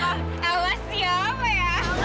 terima kasih bapak